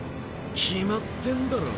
決まってんだろ？